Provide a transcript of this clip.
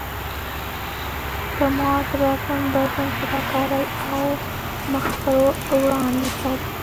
اعتماد رزم بزم فداکارۍ او مخ پر وړاندې تګ.